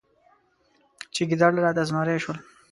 چې ګیدړ راته زمری شول.